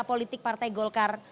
politik partai golkar